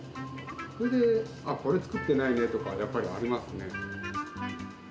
それで、あっ、これ作ってないねとか、やっぱりありますね。